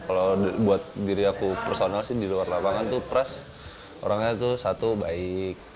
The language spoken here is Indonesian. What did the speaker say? kalau buat diri aku personal sih di luar lapangan tuh pras orangnya tuh satu baik